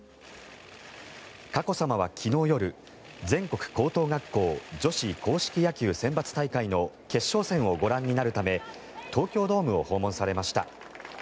佳子さまは昨日夜全国高等学校女子硬式野球選抜大会の決勝戦をご覧になるため東京ドームを訪問されました。